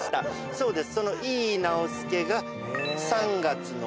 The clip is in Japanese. そうです。